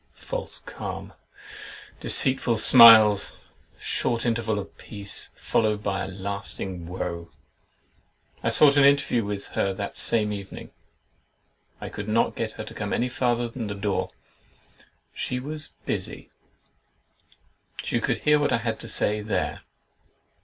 False calm!—Deceitful smiles!—Short interval of peace, followed by lasting woe! I sought an interview with her that same evening. I could not get her to come any farther than the door. "She was busy—she could hear what I had to say there."